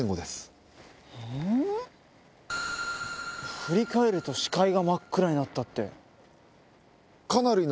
「振り返ると視界が真っ暗になった」って。